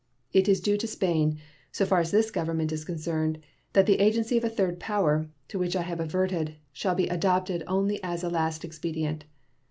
It is due to Spain, so far as this Government is concerned, that the agency of a third power, to which I have adverted, shall be adopted only as a last expedient.